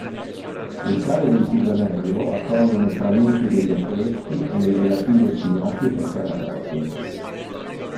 Le sale del Pisanello accolgono frammenti degli affreschi e le relative sinopie preparatorie.